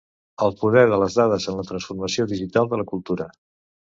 El poder de les dades en la transformació digital de la cultura.